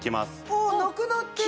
あっなくなってる！